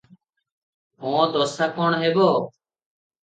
ମୋ ଦଶା କଣ ହେବ?